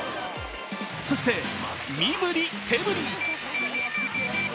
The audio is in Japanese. そして身振り手振り！